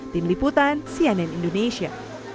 tim liputan cnn indonesia